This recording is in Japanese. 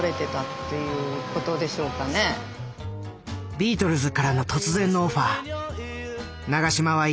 ビートルズからの突然のオファー。